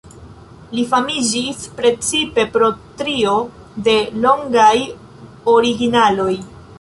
Li famiĝis precipe pro trio de longaj originaloj.